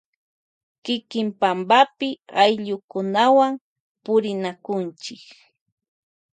Kiki pampapi purinakunchi ayllukunawan.